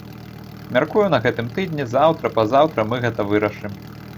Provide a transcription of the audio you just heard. Мяркую, на гэтым тыдні, заўтра-пазаўтра мы гэта вырашым.